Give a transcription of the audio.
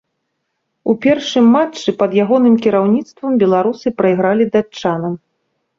У першым матчы пад ягоным кіраўніцтвам беларусы прайгралі датчанам.